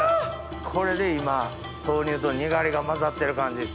これで今豆乳とにがりが混ざってる感じですね。